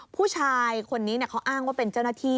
ผู้ชายคนนี้เขาอ้างว่าเป็นเจ้าหน้าที่